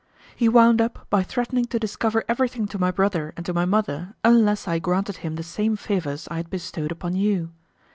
He wound up by threatening to discover everything to my brother and to my mother, unless I granted him the same favours I had bestowed upon you.